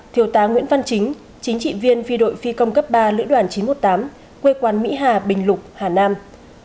thiếu tá nguyễn văn chính chính trị viên phi đội phi công cấp ba lữ đoàn chín trăm một mươi tám quê quán mỹ hà bình lục hà nam